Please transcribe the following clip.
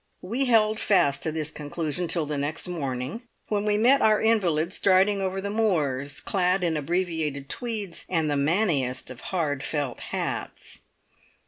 We held fast to this conclusion till the next morning, when we met our invalid striding over the moors, clad in abbreviated tweeds, and the manniest of hard felt hats.